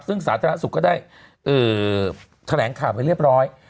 ซึ่งสาธารณสุขก็ได้แถลงข่าวไปเรียบร้อย